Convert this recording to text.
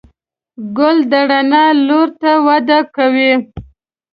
ګل د رڼا لور ته وده کوي.